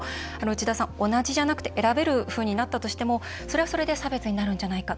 内田さん、同じじゃなくて選べるふうになったとしてもそれはそれで差別になるんじゃないか。